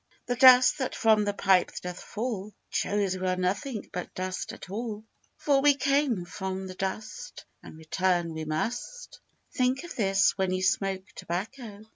The dust that from the pipe doth fall, It shows we are nothing but dust at all; For we came from the dust, And return we must; Think of this when you smoke tobacco!